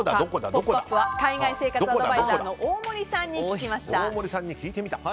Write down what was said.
「ポップＵＰ！」は海外生活アドバイザーの大森さんに聞きました。